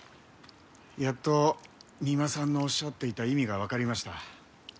やっと三馬さんのおっしゃっていた意味がわかりました。